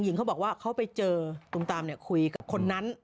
หญิงเขาบอกว่าเขาไปเจอตุมตามคุยกับคนนั้น